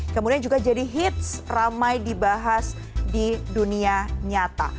kemudian juga jadi hits ramai dibahas di dunia nyata